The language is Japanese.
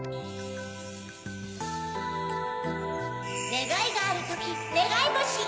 ねがいがあるときねがいぼし。